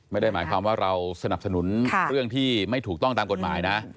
ไม่ได้หมายความว่าเราสนับสนุนเรื่องที่ไม่ถูกต้องตามกฎหมายนะ